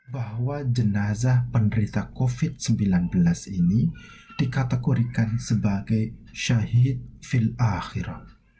bahwa jenazah penderita covid sembilan belas ini dikategorikan sebagai syahid fil akhiram